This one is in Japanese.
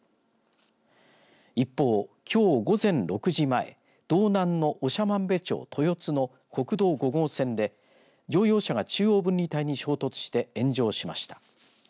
一方、きょう午前６時前道南の長万部町と豊津の国道５号線で乗用車が中央分離帯に衝突して炎上しました。